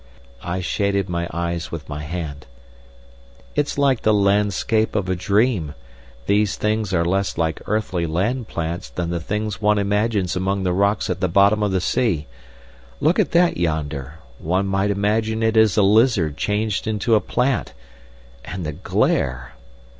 I shaded my eyes with my hand. "It's like the landscape of a dream. These things are less like earthly land plants than the things one imagines among the rocks at the bottom of the sea. Look at that yonder! One might imagine it a lizard changed into a plant. And the glare!"